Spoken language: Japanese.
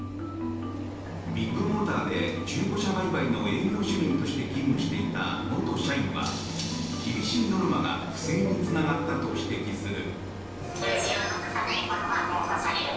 ビッグモーターで中古車売買の営業主任として勤務していた元社員は厳しいノルマが不正につながったと指摘する。